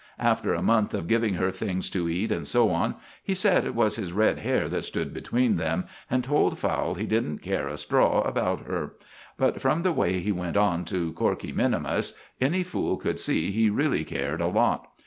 After a month of giving her things to eat and so on, he said it was his red hair that stood between them, and told Fowle he didn't care a straw about her; but from the way he went on to Corkey minimus, any fool could see he really cared a lot.